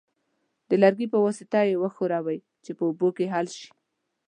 د لرګي په واسطه یې وښورئ چې په اوبو کې حل شي.